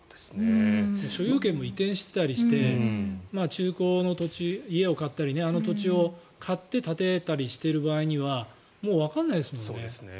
所有権も移転してたりして中古の土地あの土地を買って建てたりしてる場合はもうわからないですよね。